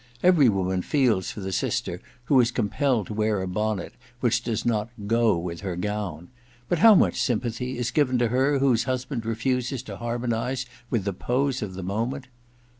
Every woman feels for the sister who is com pelled to wear a bonnet which does not *go' with her gown ; but how much sympathy is given to her whose husband refuses to harmonize with the pose of the moment?